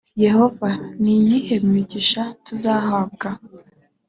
yehova ni iyihe migisha tuzahabwa